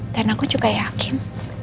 dan aku juga yakin